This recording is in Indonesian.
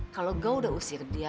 kalau gue udah usir dia